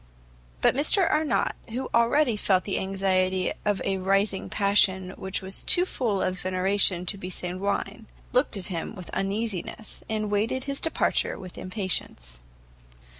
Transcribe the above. But Mr Arnott, who already felt the anxiety of a rising passion which was too full of veneration to be sanguine, looked at him with uneasiness, and waited his departure with impatience.